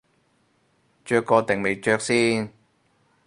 着過定未着先